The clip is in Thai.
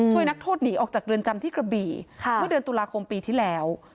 นักโทษหนีออกจากเรือนจำที่กระบี่เมื่อเดือนตุลาคมปีที่แล้ว